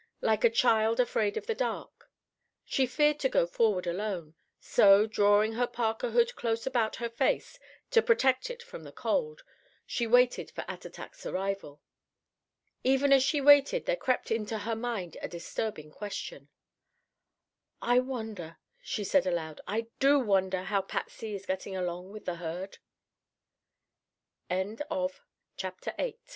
Like a child afraid of the dark, she feared to go forward alone. So, drawing her parka hood close about her face to protect it from the cold, she waited for Attatak's arrival. Even as she waited there crept into her mind a disturbing question: "I wonder," she said aloud, "I do wonder how Patsy is getting along with the herd?" CHAPTER IX PATSY